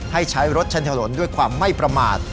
ให้ใช้รถชั้นถนนด้วยความไม่ประมาท